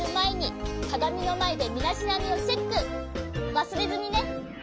わすれずにね。